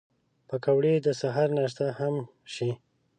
پکورې د سهر ناشته هم شي